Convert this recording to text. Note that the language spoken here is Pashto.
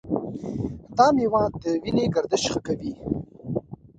دا میوه د وینې گردش ښه کوي.